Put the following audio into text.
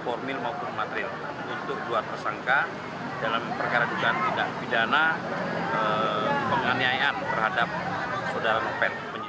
formil maupun materil untuk dua tersangka dalam perkara juga tidak pidana penganiayaan terhadap saudara saudara penyidik